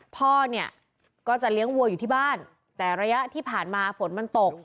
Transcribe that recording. พ่อเนี่ยก็จะเลี้ยงวัวอยู่ที่บ้านแต่ระยะที่ผ่านมาฝนมันตก